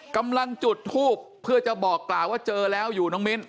กำลังจุดทูบเพื่อจะบอกกล่าวว่าเจอแล้วอยู่น้องมิ้น